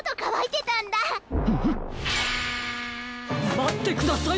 まってください。